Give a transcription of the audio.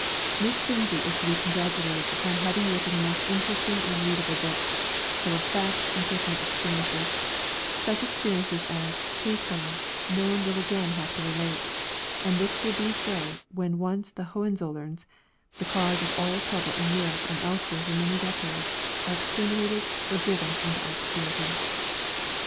Miss Finzi is to be congratulated upon having written a most interesting and readable book, full of facts and personal experiences, such experiences as, please God, no one will again have to relate; and this will be so when once the Hohenzollerns, the cause of all trouble in Europe and elsewhere for many decades, are exterminated or driven into obscurity.